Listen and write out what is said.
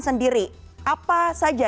sendiri apa saja